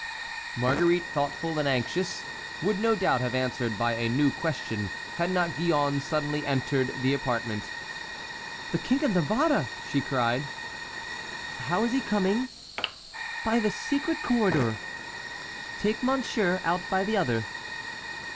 Marguerite, thoughtful and anxious, would no doubt have answered by a new question, had not Gillonne suddenly entered the apartment. "The King of Navarre!" she cried. "How is he coming?" "By the secret corridor." "Take monsieur out by the other."